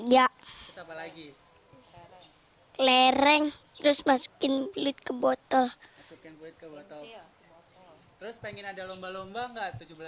ya apalagi lereng terus masukin belit ke botol botol terus pengen ada lomba lomba